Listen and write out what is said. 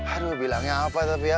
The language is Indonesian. aduh bilangnya apa tapi ya